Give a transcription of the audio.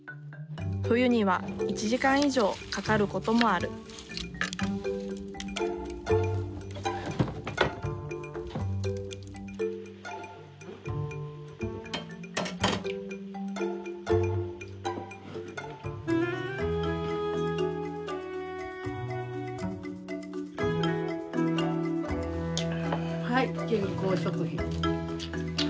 冬には１時間以上かかることもあるはい健康食品。